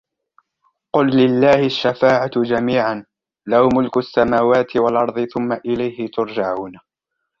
قُلْ لِلَّهِ الشَّفَاعَةُ جَمِيعًا لَهُ مُلْكُ السَّمَاوَاتِ وَالْأَرْضِ ثُمَّ إِلَيْهِ تُرْجَعُونَ